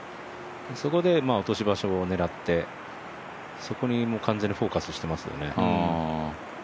そこで落とし場所を狙ってそこに完全にフォーカスしてますね。